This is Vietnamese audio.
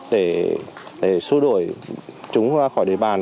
để xua đuổi chúng khỏi đề bàn